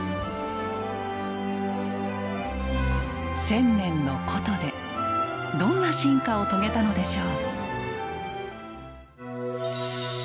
千年の古都でどんな進化を遂げたのでしょう。